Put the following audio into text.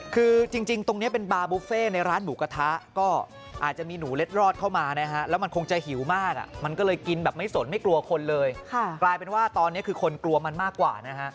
คือจริงตรงนี้เป็นบาร์บุฟเฟ่ในร้านหนูกระทะ